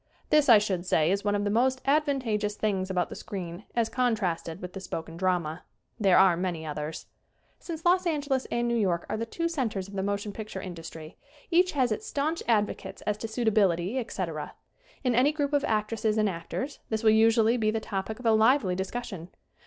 This, I should say, is one of the most advantageous things about the screen as contrasted with the spoken drama. There are many others. Since Los Angeles and New York are the two centers of the motion picture industry each has its staunch advocates as to suitability, etc. In any group of actresses and actors this will usually be the topic of a lively discussion.